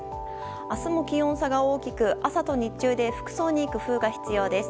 明日も気温差が大きく朝と日中で服装に工夫が必要です。